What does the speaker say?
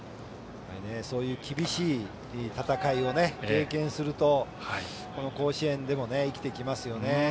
そういう厳しい戦いを経験するとこの甲子園でも生きてきますよね。